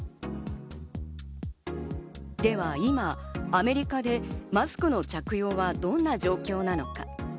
では今、アメリカでマスクの着用はどんな状況なのか。